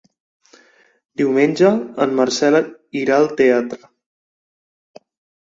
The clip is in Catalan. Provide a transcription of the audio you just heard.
Diumenge en Marcel irà al teatre.